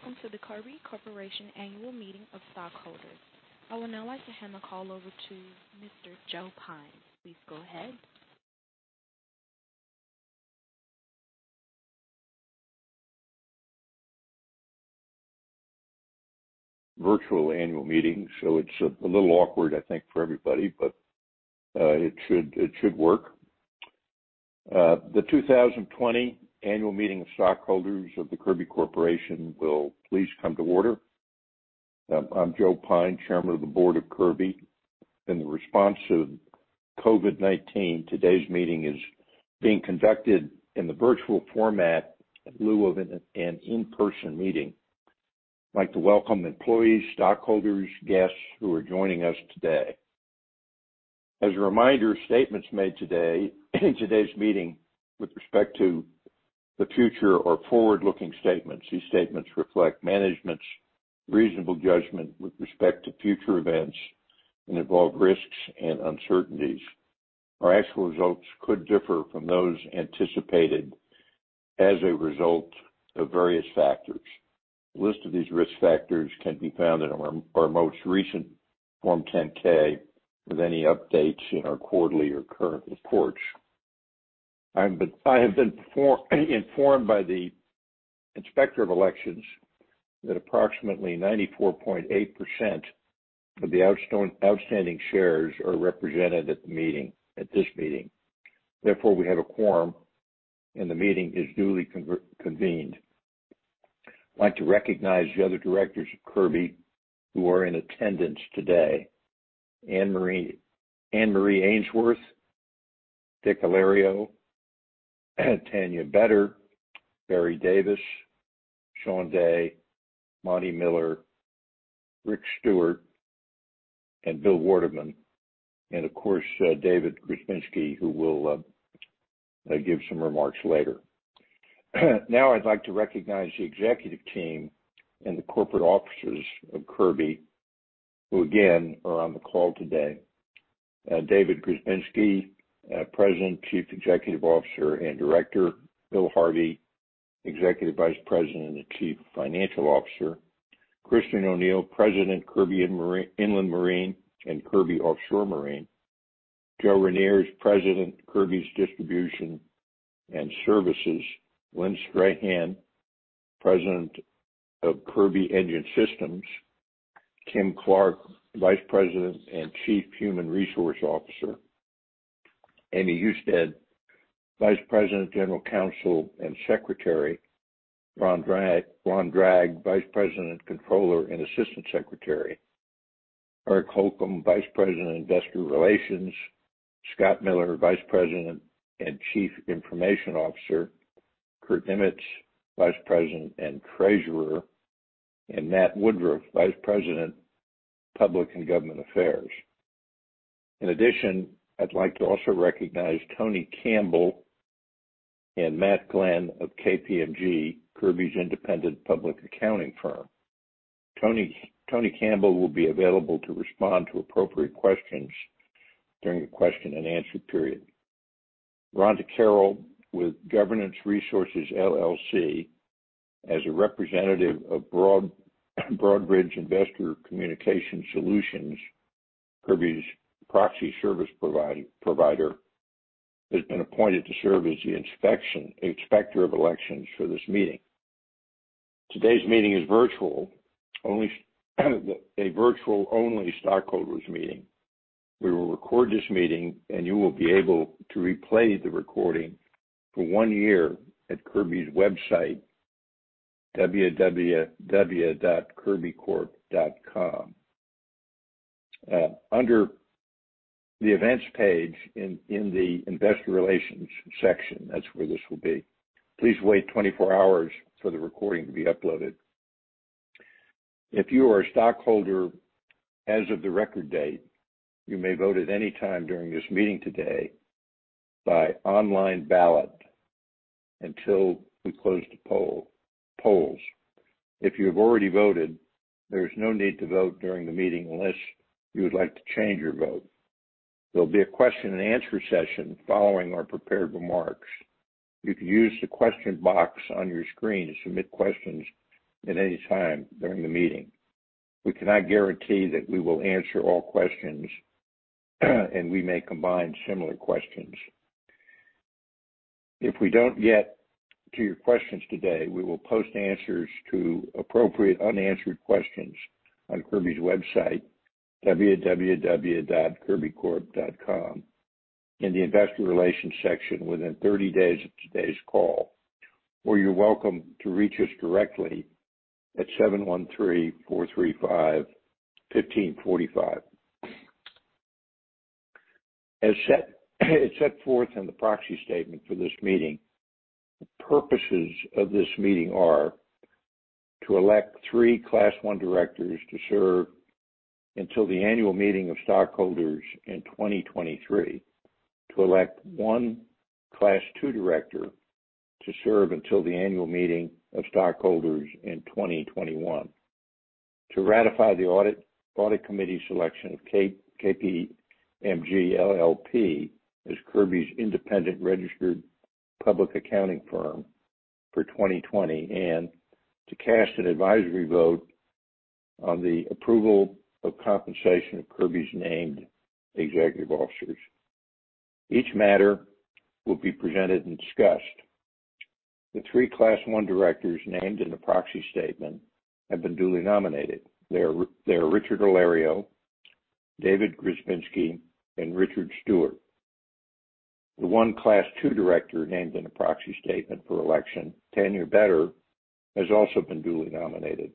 Welcome to the Kirby Corporation Annual Meeting of Stockholders. I would now like to hand the call over to Mr. Joe Pyne. Please go ahead. Virtual annual meeting, so it's a little awkward, I think, for everybody, but it should work. The 2020 annual meeting of stockholders of the Kirby Corporation will please come to order. I'm Joe Pyne, Chairman of the Board of Kirby. In the response to COVID-19, today's meeting is being conducted in the virtual format in lieu of an in-person meeting. I'd like to welcome employees, stockholders, guests who are joining us today. As a reminder, statements made today, in today's meeting with respect to the future or forward-looking statements, these statements reflect management's reasonable judgment with respect to future events and involve risks and uncertainties. Our actual results could differ from those anticipated as a result of various factors. A list of these risk factors can be found in our most recent Form 10-K, with any updates in our quarterly or current reports. I have been informed by the inspector of elections that approximately 94.8% of the outstanding shares are represented at the meeting, at this meeting. Therefore, we have a quorum, and the meeting is duly convened. I'd like to recognize the other directors of Kirby who are in attendance today. Anne-Marie Ainsworth, Dick Alario, Tanya Beder, Barry Davis, Sean Day, Monte Miller, Rick Stewart, and Bill Waterman, and of course, David Grzebinski, who will give some remarks later. Now, I'd like to recognize the executive team and the corporate officers of Kirby, who again, are on the call today. David Grzebinski, President, Chief Executive Officer, and Director. Bill Harvey, Executive Vice President and Chief Financial Officer. Christian O’Neil, President, Kirby Inland Marine and Kirby Offshore Marine. Joe Reniers, President, Kirby's Distribution and Services. Lynn Strahan, President of Kirby Engine Systems. Kim Clark, Vice President and Chief Human Resource Officer. Amy Husted, Vice President, General Counsel, and Secretary. Ron Dragg, Vice President, Controller, and Assistant Secretary. Eric Holcomb, Vice President, Investor Relations. Scott Miller, Vice President and Chief Information Officer. Kurt Niemietz, Vice President and Treasurer, and Matt Woodruff, Vice President, Public and Government Affairs. In addition, I'd like to also recognize Tony Campbell and Matt Glenn of KPMG, Kirby's independent public accounting firm. Tony Campbell will be available to respond to appropriate questions during the question and answer period. Rhonda Carroll, with Governance Resources, LLC, as a representative of Broadridge Investor Communication Solutions, Kirby's proxy service provider, has been appointed to serve as the inspector of elections for this meeting. Today's meeting is virtual-only, a virtual-only stockholders meeting. We will record this meeting, and you will be able to replay the recording for one year at Kirby's website, www.kirbycorp.com. Under the events page in the investor relations section, that's where this will be. Please wait 24 hours for the recording to be uploaded. If you are a stockholder as of the record date, you may vote at any time during this meeting today by online ballot until we close the polls. If you have already voted, there is no need to vote during the meeting unless you would like to change your vote. There will be a question and answer session following our prepared remarks. You can use the question box on your screen to submit questions at any time during the meeting. We cannot guarantee that we will answer all questions, and we may combine similar questions. If we don't get to your questions today, we will post answers to appropriate unanswered questions on Kirby's website, www.kirbycorp.com, in the investor relations section within 30 days of today's call, or you're welcome to reach us directly at 713-435-1545. As set forth in the proxy statement for this meeting, the purposes of this meeting are: to elect three Class One directors to serve until the annual meeting of stockholders in 2023; to elect one Class Two director to serve until the annual meeting of stockholders in 2021. to ratify the audit, Audit Committee selection of KPMG LLP as Kirby's independent registered public accounting firm for 2020, and to cast an advisory vote on the approval of compensation of Kirby's named executive officers. Each matter will be presented and discussed. The three Class One directors named in the proxy statement have been duly nominated. They are Dick Alario, David Grzebinski, and Richard Stewart. The one Class Two director named in the proxy statement for election, Tanya Beder, has also been duly nominated.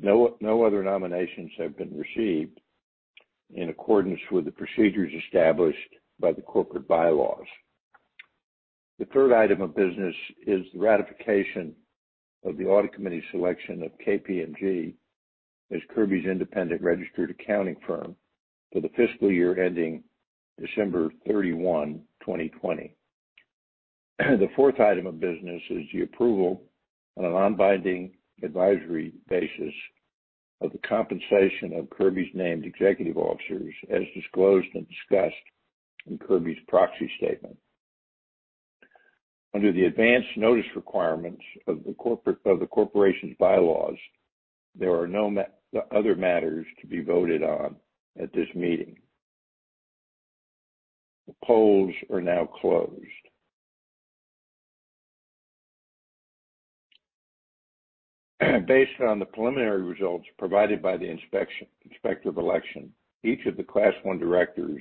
No other nominations have been received in accordance with the procedures established by the corporate bylaws. The third item of business is the ratification of the Audit Committee's selection of KPMG as Kirby's independent registered accounting firm for the fiscal year ending December 31, 2020. The fourth item of business is the approval on a non-binding advisory basis of the compensation of Kirby's named executive officers, as disclosed and discussed in Kirby's proxy statement. Under the advanced notice requirements of the corporation's bylaws, there are no other matters to be voted on at this meeting. The polls are now closed. Based on the preliminary results provided by the inspector of election, each of the Class One directors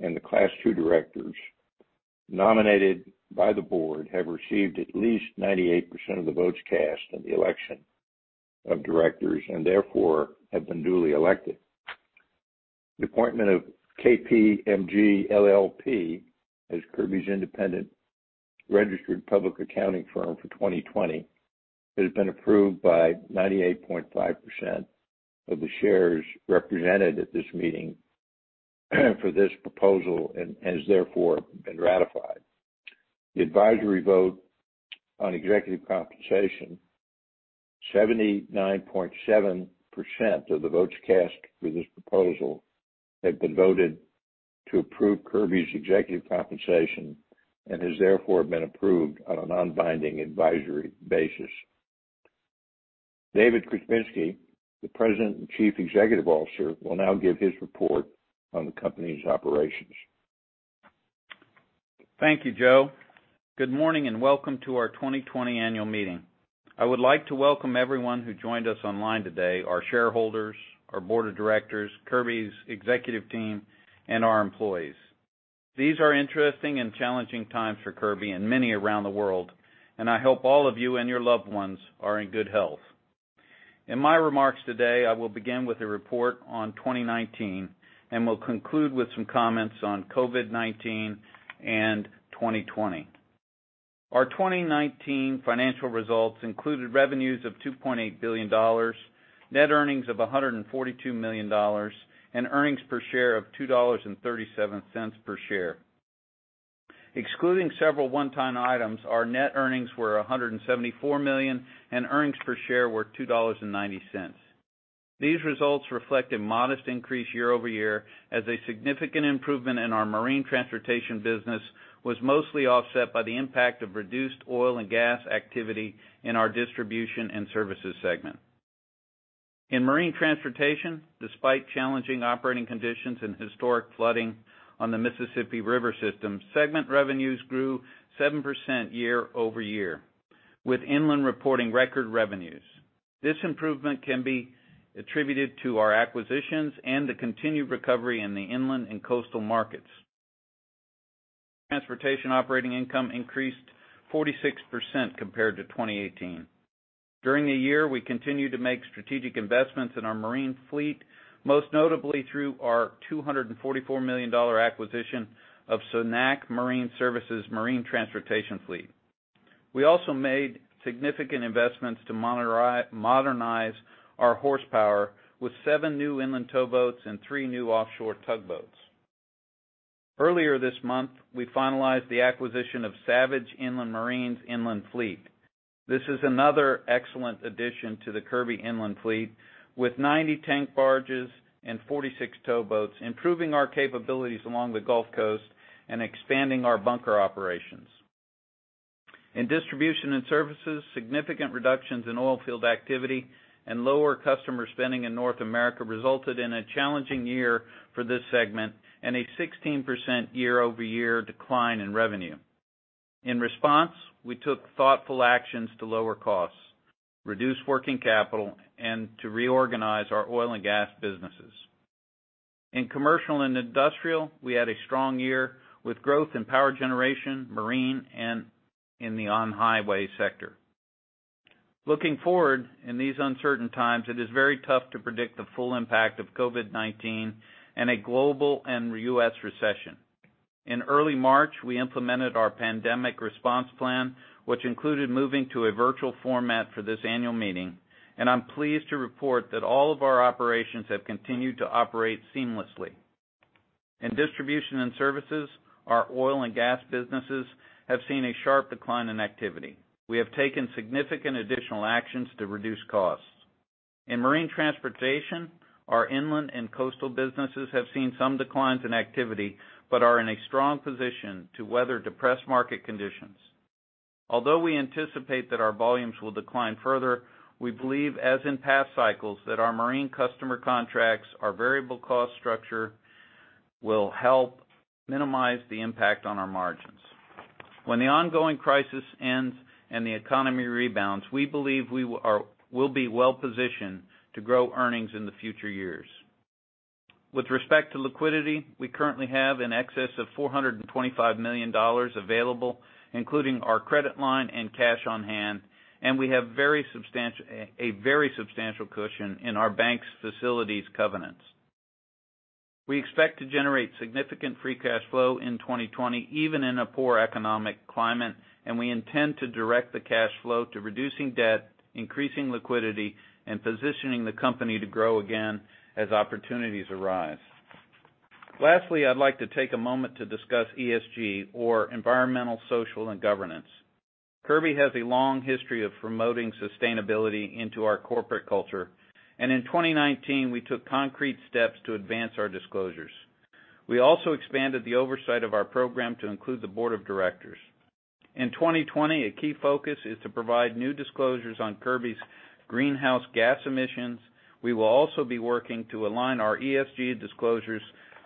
and the Class Two directors nominated by the board have received at least 98% of the votes cast in the election of directors, and therefore, have been duly elected. The appointment of KPMG LLP as Kirby's independent registered public accounting firm for 2020 has been approved by 98.5% of the shares represented at this meeting for this proposal and has therefore been ratified. The advisory vote on executive compensation, 79.7% of the votes cast for this proposal have been voted to approve Kirby's executive compensation and has therefore been approved on a non-binding advisory basis. David Grzebinski, the President and Chief Executive Officer, will now give his report on the company's operations. Thank you, Joe. Good morning, and welcome to our 2020 annual meeting. I would like to welcome everyone who joined us online today, our shareholders, our board of directors, Kirby's executive team, and our employees. These are interesting and challenging times for Kirby and many around the world, and I hope all of you and your loved ones are in good health. In my remarks today, I will begin with a report on 2019, and will conclude with some comments on COVID-19 and 2020. Our 2019 financial results included revenues of $2.8 billion, net earnings of $142 million, and earnings per share of $2.37 per share. Excluding several one-time items, our net earnings were $174 million, and earnings per share were $2.90. These results reflect a modest increase year-over-year, as a significant improvement in our marine transportation business was mostly offset by the impact of reduced oil and gas activity in our distribution and services segment. In marine transportation, despite challenging operating conditions and historic flooding on the Mississippi River system, segment revenues grew 7% year-over-year, with inland reporting record revenues. This improvement can be attributed to our acquisitions and the continued recovery in the inland and coastal markets. Transportation operating income increased 46% compared to 2018. During the year, we continued to make strategic investments in our marine fleet, most notably through our $244 million acquisition of Cenac Marine Services' marine transportation fleet. We also made significant investments to modernize our horsepower with 7 new inland towboats and 3 new offshore tugboats. Earlier this month, we finalized the acquisition of Savage Inland Marine's inland fleet. This is another excellent addition to the Kirby inland fleet, with 90 tank barges and 46 towboats, improving our capabilities along the Gulf Coast and expanding our bunker operations. In distribution and services, significant reductions in oil field activity and lower customer spending in North America resulted in a challenging year for this segment and a 16% year-over-year decline in revenue. In response, we took thoughtful actions to lower costs, reduce working capital, and to reorganize our oil and gas businesses. In commercial and industrial, we had a strong year, with growth in power generation, marine, and in the on-highway sector. Looking forward, in these uncertain times, it is very tough to predict the full impact of COVID-19 and a global and US recession. In early March, we implemented our pandemic response plan, which included moving to a virtual format for this annual meeting, and I'm pleased to report that all of our operations have continued to operate seamlessly. In distribution and services, our oil and gas businesses have seen a sharp decline in activity. We have taken significant additional actions to reduce costs. In marine transportation, our inland and coastal businesses have seen some declines in activity, but are in a strong position to weather depressed market conditions. Although we anticipate that our volumes will decline further, we believe, as in past cycles, that our marine customer contracts, our variable cost structure, will help minimize the impact on our margins. When the ongoing crisis ends and the economy rebounds, we believe we'll be well-positioned to grow earnings in the future years. With respect to liquidity, we currently have in excess of $425 million available, including our credit line and cash on hand, and we have a very substantial cushion in our bank's facilities covenants. We expect to generate significant free cash flow in 2020, even in a poor economic climate, and we intend to direct the cash flow to reducing debt, increasing liquidity, and positioning the company to grow again as opportunities arise. Lastly, I'd like to take a moment to discuss ESG or environmental, social, and governance. Kirby has a long history of promoting sustainability into our corporate culture, and in 2019, we took concrete steps to advance our disclosures. We also expanded the oversight of our program to include the board of directors. In 2020, a key focus is to provide new disclosures on Kirby's greenhouse gas emissions. We will also be working to align our ESG disclosures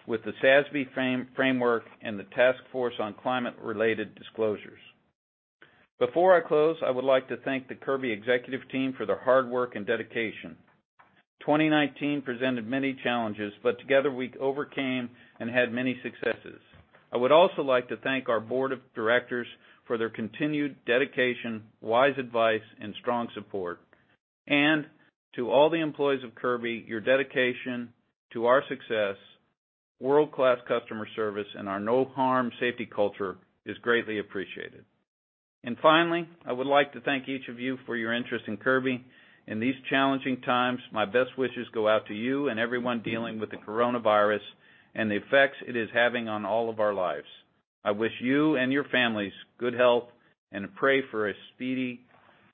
with the SASB framework and the Task Force on Climate-related Disclosures. Before I close, I would like to thank the Kirby executive team for their hard work and dedication. 2019 presented many challenges, but together, we overcame and had many successes. I would also like to thank our board of directors for their continued dedication, wise advice, and strong support. And to all the employees of Kirby, your dedication to our success, world-class customer service, and our no-harm safety culture is greatly appreciated. And finally, I would like to thank each of you for your interest in Kirby. In these challenging times, my best wishes go out to you and everyone dealing with the coronavirus and the effects it is having on all of our lives. I wish you and your families good health and pray for a speedy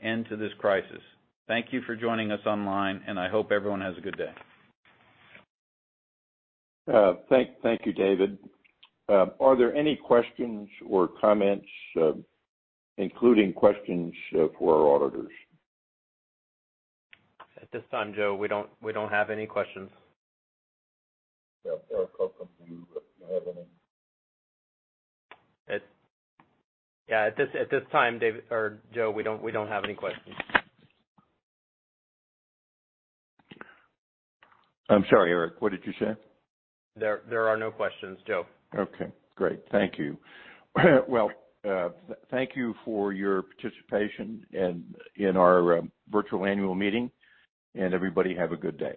end to this crisis. Thank you for joining us online, and I hope everyone has a good day. Thank you, David. Are there any questions or comments, including questions for our auditors? At this time, Joe, we don't, we don't have any questions. Yeah, Eric, how come you don't have any? Yeah, at this time, David or Joe, we don't have any questions. I'm sorry, Eric, what did you say? There are no questions, Joe. Okay, great. Thank you. Well, thank you for your participation in our virtual annual meeting, and everybody have a good day.